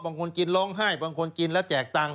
กินร้องไห้บางคนกินแล้วแจกตังค์